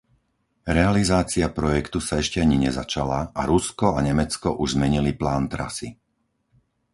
Realizácia projektu sa ešte ani nezačala a Rusko a Nemecko už zmenili plán trasy.